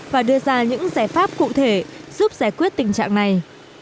và đưa ra những giải pháp cụ thể giúp giải quyết tình trạng này